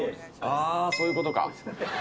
ああ、そういうことか。